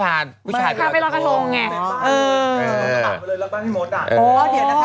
แล้วทูพเทียนละคะ